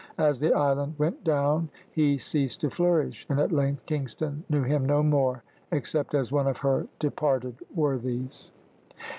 As the island went down he ceased to flourish, and at length Kingston knew him no more, except as one of her departed worthies.